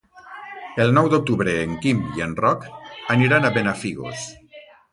El nou d'octubre en Quim i en Roc aniran a Benafigos.